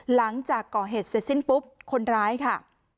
หลังจากก่อเหตุเสร็จสิ้นปุ๊บคนร้ายค่ะ